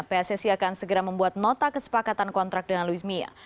pssi akan segera membuat nota kesepakatan kontrak dengan luis mia